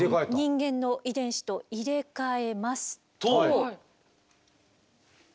人間の遺伝子と入れ替えますと。